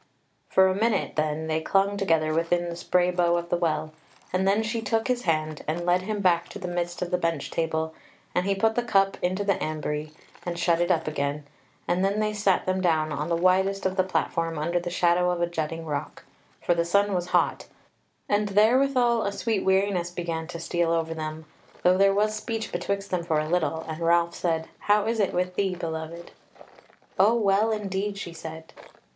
For a minute then they clung together within the spray bow of the Well, and then she took his hand and led him back to the midst of the bench table, and he put the cup into the ambrye, and shut it up again, and then they sat them down on the widest of the platform under the shadow of a jutting rock; for the sun was hot; and therewithal a sweet weariness began to steal over them, though there was speech betwixt them for a little, and Ralph said: "How is it with thee, beloved?" "O well indeed," she said.